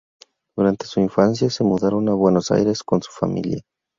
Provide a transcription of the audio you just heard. Durante su infancia se mudaron a Buenos Aires con su familia.